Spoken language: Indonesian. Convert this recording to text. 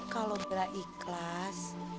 kalau bella ikhlas